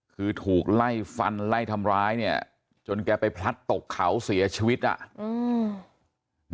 คือถูกไล่ฟันไล่ทำร้ายเนี่ยจนแกไปพลัดตกเขาเสียชีวิตอ่ะอืม